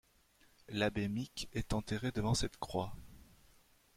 L'abbé Mick est enterré devant cette croix.